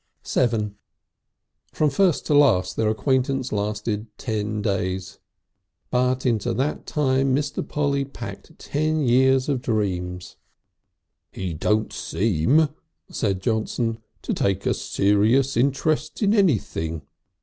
VII From first to last their acquaintance lasted ten days, but into that time Mr. Polly packed ten years of dreams. "He don't seem," said Johnson, "to take a serious interest in anything.